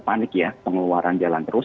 panik ya pengeluaran jalan terus